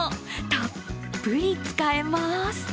たっぷり使えます。